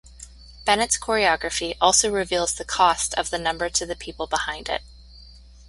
Bennett's choreography also reveals the cost of the number to the people behind it.